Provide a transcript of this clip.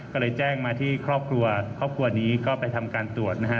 ก็เลยแจ้งมาที่ครอบครัวครอบครัวนี้ก็ไปทำการตรวจนะฮะ